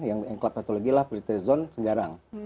yang klat satu lagi adalah pre trade zone segarang